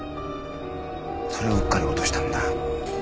それをうっかり落としたんだ。